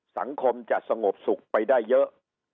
สังคมจะสงบสุขไปได้เยอะ